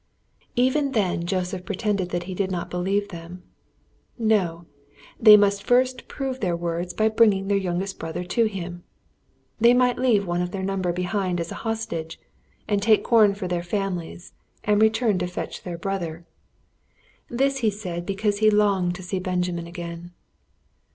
Even then Joseph pretended that he did not believe them. No, they must first prove their words by bringing their youngest brother to him. They might leave one of their number behind as a hostage, and take corn for their families, and return to fetch their brother. This he said because he longed to see Benjamin again.